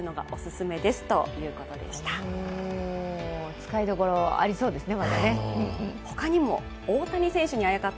使いどころ、まだありそうですね